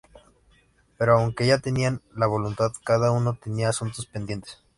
Pero aunque ya tenían la voluntad, cada uno tenía asuntos pendientes.